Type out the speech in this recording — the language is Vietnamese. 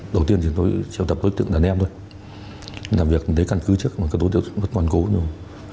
đầu tiên thì tôi trợ tập đối tượng đàn em thôi làm việc đến căn cứ trước mà các đối tượng vẫn còn cố nhau